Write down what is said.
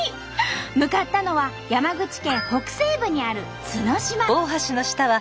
向かったのは山口県北西部にある角島。